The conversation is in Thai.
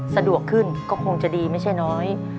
สะดวกขึ้นก็คงจะดีไม่ใช่น้อย